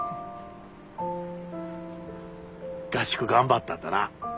合宿頑張ったんだな。